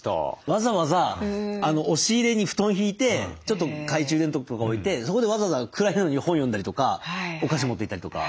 わざわざ押し入れに布団敷いてちょっと懐中電灯とか置いてそこでわざわざ暗いのに本読んだりとかお菓子持っていったりとか。